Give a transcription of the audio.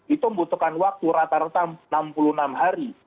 itu membutuhkan waktu rata rata enam puluh enam hari